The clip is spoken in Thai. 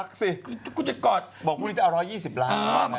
บอกว่าจะเอา๑๒๐ล้าน